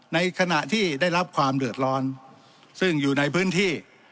ในขณะที่ได้รับความเดือดร้อนซึ่งอยู่ในพื้นที่